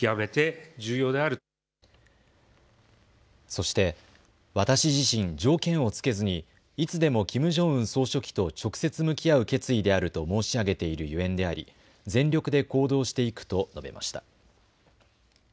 そして、私自身、条件を付けずにいつでもキム・ジョンウン総書記と直接向き合う決意であると申し上げているゆえんであり全力で行動していくと述べました。